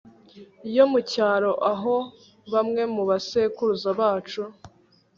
yo mu cyaro aho bamwe mu basekuruza bacu